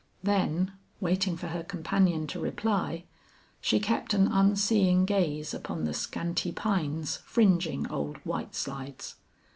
Then, waiting for her companion to reply, she kept an unseeing gaze upon the scanty pines fringing Old White Slides.